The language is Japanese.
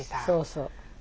そうそう。